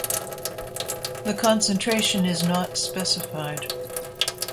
The concentration is not specified.